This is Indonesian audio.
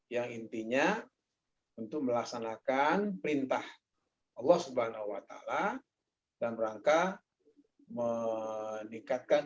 yang intinya untuk melaksanakan perintah allah swt dan rangka meningkatkan